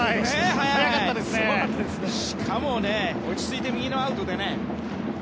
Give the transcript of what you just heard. しかも落ち着いてね右のアウトでね。